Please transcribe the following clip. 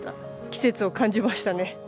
季節を感じましたね。